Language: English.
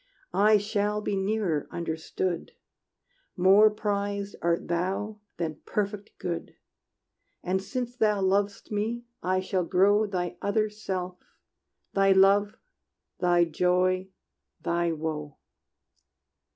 I shall be nearer, understood: More prized art thou than perfect good. And since thou lov'st me, I shall grow Thy other self thy Life, thy Joy, thy Woe!